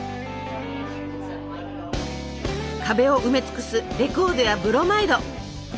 壁を埋め尽くすレコードやブロマイド。